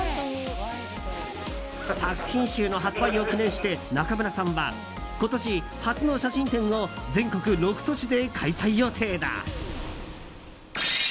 作品集の発売を記念して中村さんは、今年初の写真展を全国６都市で開催予定だ。